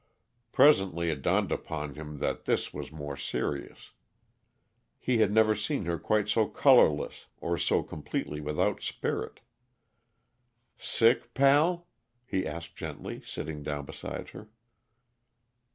Presently it dawned upon him that this was more serious; he had never seen her quite so colorless or so completely without spirit. "Sick, pal?" he asked gently, sitting down beside her.